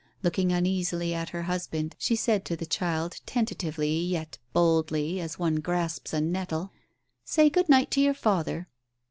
Looking uneasily at her husband, she said to the child tentatively, yet boldly, as one grasps a nettle, "Say good night to your father